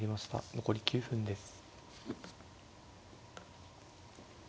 残り９分です。